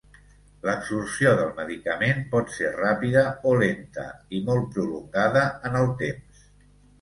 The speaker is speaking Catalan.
L'absorció del medicament pot ser ràpida, o lenta i molt prolongada en el temps.